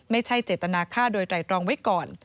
ไม่ใช่เจตนาฆ่าโดยไตรตรองไว้ก่อน